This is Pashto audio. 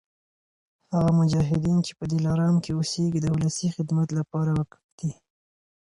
هغه مجاهدین چي په دلارام کي اوسیږي د ولسي خدمت لپاره وقف دي